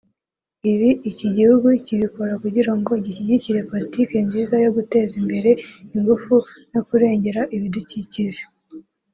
Ibi iki gihugu kibikora kugira ngo gishyigikire politiki nziza yo guteza imbere ingufu no kurengera ibidukikije